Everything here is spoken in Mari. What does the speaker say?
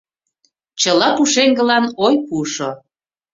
Чыла пушеҥгылан ой пуышо